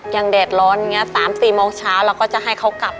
อย่างเด็ดร้อนอย่างเงี้ย๓๔โมงเช้าเราก็จะให้เขากลับ